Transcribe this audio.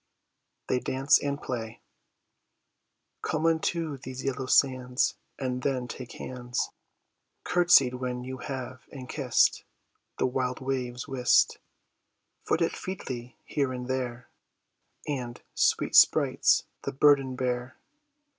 They Dance and Play, Come unto these yellow sands, And then take hands: Courtsied when you have, and kiss'd, The wild waves whist, Foot it featly here and there; And, sweet sprites, the burthen bear.